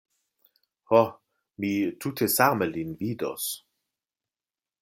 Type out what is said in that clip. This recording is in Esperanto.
Ho, mi tute same lin vidos.